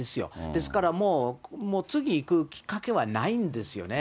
ですからもう、次行くきっかけはないんですよね。